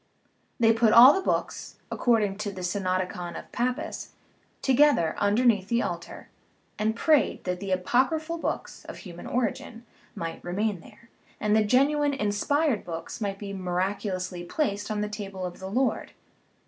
They put all the books (ac cording to the Synodicon of Pappus) together under neath the altar, and prayed that the apocryphal books, of human origin, might remain there, and the genuine, inspired books might be miraculously placed on the table of the Lord.